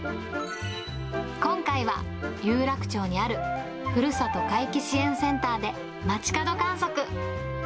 今回は、有楽町にある、ふるさと回帰支援センターで、街角観測。